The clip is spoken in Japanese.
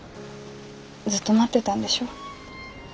ずっと待ってたんでしょ？